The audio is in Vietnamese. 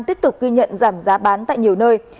tiếp tục ghi nhận giảm giá bán tại nhiều nơi